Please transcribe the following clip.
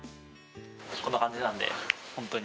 こんな感じなんで。